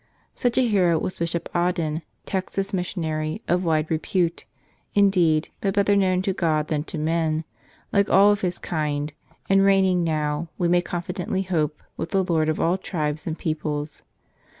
Such a hero was Bishop Audin, Texan missionary, of wide repute, in¬ deed, but better known to God than to men, like all of his kind, and reigning now, we may confidently hope, with the Lord of all tribes and peoples.